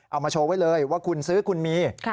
เอามาโชว์ไว้เลยว่าคุณซื้อคุณมี